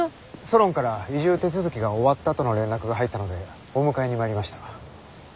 ソロンから移住手続きが終わったとの連絡が入ったのでお迎えに参りました。